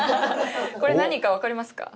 これ何か分かりますか？